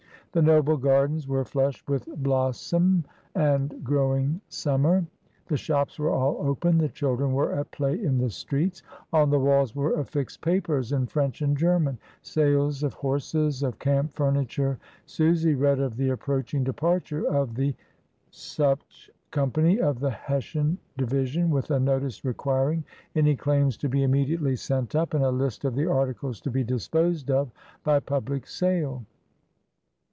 The noble gardens were flushed with blossom ind growing summer; the shops were all open, the :hildren were at play in the streets. On the walls vere affixed papers in French and German, sales of lorses, of camp furniture. Susy read of the approach ng departure of the Company of the Hessian Division, with a notice requiring any claims to be mmediately sent up, and a list of the articles to be iisposed of by public sale.